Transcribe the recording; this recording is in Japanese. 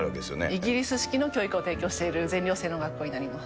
イギリス式の教育を提供している全寮制の学校になります。